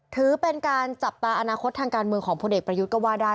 ถือเป็นการจับตาอนาคตทางการเมืองของพลเอกประยุทธ์ก็ว่าได้